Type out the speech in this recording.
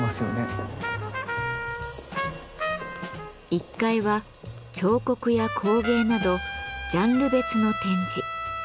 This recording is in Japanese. １階は彫刻や工芸などジャンル別の展示。